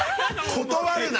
断るな！